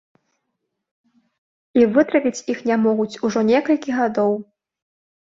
І вытравіць іх не могуць ужо некалькі гадоў.